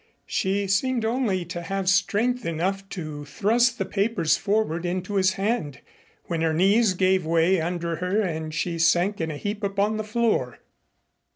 She seemed only to have strength enough to thrust the papers forward into his hand, when her knees gave way under her and she sank in a heap upon the floor.